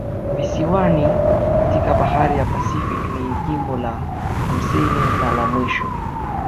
visiwani katika bahari ya Pasifiki Ni jimbo la hamsini na la mwisho